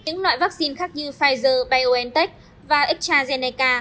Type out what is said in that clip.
những loại vaccine khác như pfizer biontech và astrazeneca